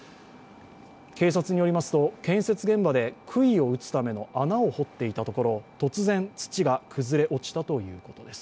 警察によりますと建設現場でくいを打つための穴を掘っていたところ突然、土が崩れ落ちたということです。